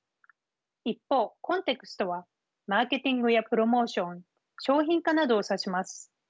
一方コンテクストはマーケティングやプロモーション商品化などを指します。